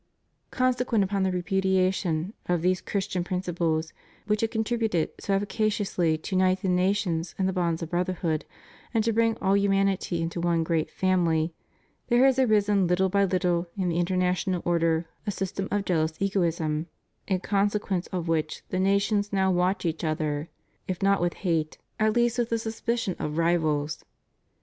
Consequent upon the repudiation of those Christian principles which had contributed so efficaciously to unite the nations in the bonds of brotherhood, and to bring all humanity into one great family, there hsis arisen Uttle by little, in the international order, a system of jealous egoism, in consequence of which the nations now watch each other, if not with hate, at least with the susoicion of REVIEW OF HIS PONTIFICATE. 563 rivals.